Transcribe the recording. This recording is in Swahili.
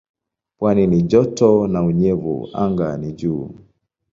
Pwani ni joto na unyevu anga ni juu.